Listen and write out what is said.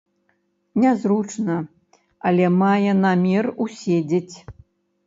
Нязручна, але мае намер уседзець.